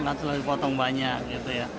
gak tahu dipotong banyak